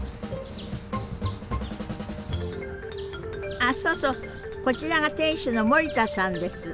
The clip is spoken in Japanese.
あそうそうこちらが店主の森田さんです。